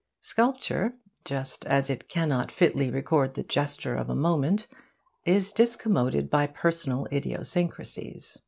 Sculpture, just as it cannot fitly record the gesture of a moment, is discommoded by personal idiosyncrasies.